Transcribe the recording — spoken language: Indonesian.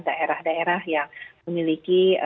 daerah daerah yang memiliki